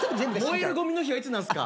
燃えるごみの日はいつなんすか。